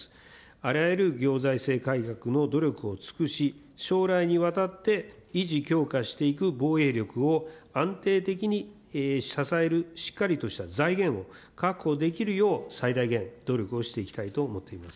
あらゆる行財政改革の努力を尽くし、将来にわたって維持、強化していく防衛力を安定的に支えるしっかりとした財源を確保できるよう、最大限努力をしていきたいと思っています。